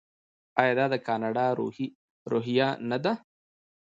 آیا دا د کاناډا روحیه نه ده؟